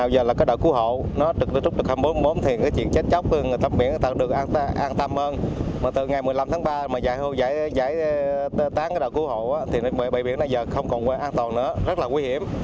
bãi biển này giờ không còn an toàn nữa rất là nguy hiểm